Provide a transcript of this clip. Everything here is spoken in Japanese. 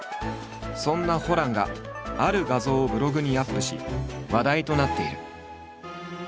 そんなホランがある画像をブログにアップし話題となっている。